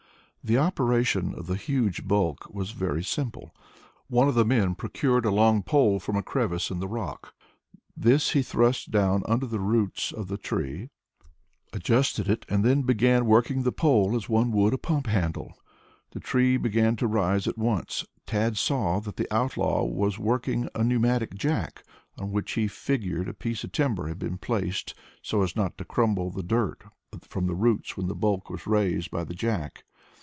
The operation of the huge bulk was very simple. One of the men procured a long pole from a crevice in the rock. This he thrust down under the roots of the tree, adjusted it and then began working the pole as one would a pump handle. The tree began to rise at once. Tad saw that the outlaw was working a pneumatic jack, on which he figured a piece of timber had been placed so as not to crumble the dirt from the roots when the bulk was raised by the jack.